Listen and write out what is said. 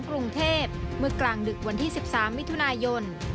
กรุงเทพเมื่อกลางดึกวันที่๑๓มิถุนายน